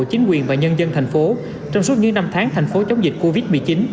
chính quyền và nhân dân thành phố trong suốt những năm tháng thành phố chống dịch covid một mươi chín